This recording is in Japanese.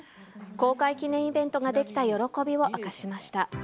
公開記念イベントができた喜びを明かしました。